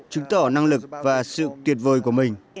chứng tỏ năng lực và sự tuyệt vời của mình